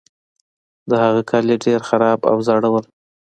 د هغه کالي ډیر خراب او زاړه وو.